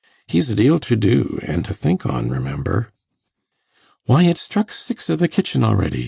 He's a deal to do, an' to think on, remember.' 'Why, it's struck six i' the kitchen a'ready.